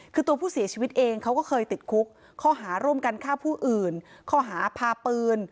คือตัวผู้เสียชีวิตเองเขาก็เคยติดคุกข้อหาร่วมกันฆ่าผู้อื่นข้อหาพาปืน